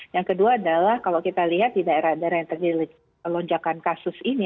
yang kedua adalah kalau kita lihat di daerah daerah yang terjadi lonjakan kasus ini